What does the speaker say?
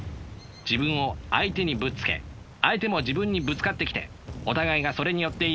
自分を相手にぶつけ相手も自分にぶつかってきてお互いがそれによって生きる。